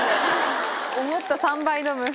思った３倍飲む。